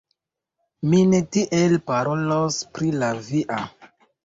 Mi ne tiel parolos pri la via.